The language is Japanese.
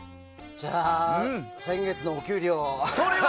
じゃあ、先月のお給料。